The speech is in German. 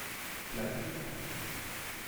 Gleich geht's weiter!